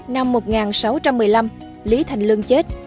năm một nghìn sáu trăm một mươi năm lý thành lương chết